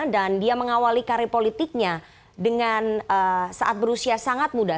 dan dia mengawali karir politiknya dengan saat berusia sangat muda